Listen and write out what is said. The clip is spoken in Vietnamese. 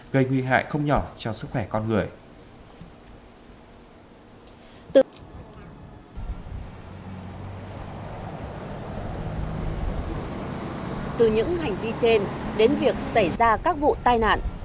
gây nguy hại không nhỏ cho sức khỏe con người